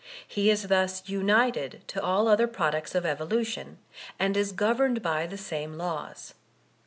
He is thus united to all other products of evolution, and is governed by the same laws.